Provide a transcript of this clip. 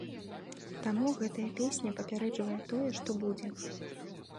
Таму гэтая песня папярэджвае тое, што будзе.